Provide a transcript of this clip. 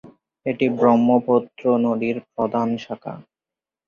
এটি ব্রহ্মপুত্র নদীর প্রধান শাখা।